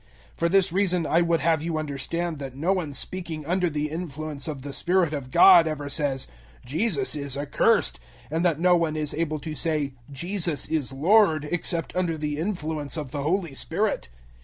012:003 For this reason I would have you understand that no one speaking under the influence of The Spirit of God ever says, "Jesus is accursed," and that no one is able to say, "Jesus is Lord," except under the influence of the Holy Spirit.